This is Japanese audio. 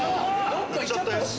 どっか行っちゃったし。